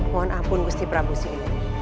mohon ampun gusti prabu sini